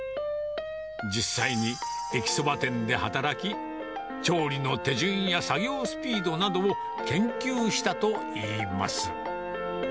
実際に駅そば店で働き、調理の手順や作業スピードなどを研究したといいます。